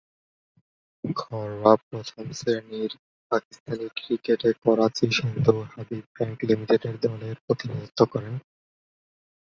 ঘরোয়া প্রথম-শ্রেণীর পাকিস্তানি ক্রিকেটে করাচি, সিন্ধু, হাবিব ব্যাংক লিমিটেড দলের প্রতিনিধিত্ব করেন।